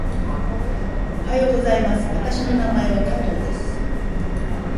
おはようございます。私の名前は加藤です。